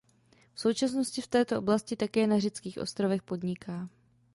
V současnosti v této oblasti také na řeckých ostrovech podniká.